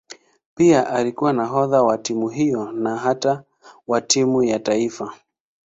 Pia alikuwa nahodha wa timu hiyo na hata wa timu ya taifa.